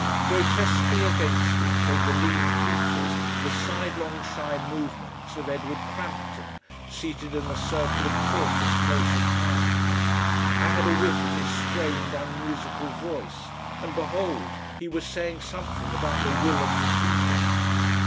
Grotesquely against it came the lean features, the sidelong shy movements of Edward Crampton, seated in a circle of talkers close at hand. I had a whiff of his strained, unmusical voice, and behold! he was saying something about the "Will of the People...."